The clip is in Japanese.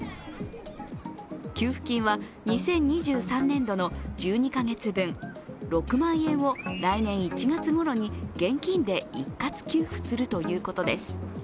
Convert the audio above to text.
給付金は２０２３年度の１２か月分、６万円を来年１月ごろに現金で一括給付するということです。